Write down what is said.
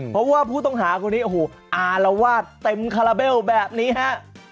เพราะว่าผู้ต้องหาคนนี้โอ้โหอารวาสเต็มคาราเบลแบบนี้ฮะ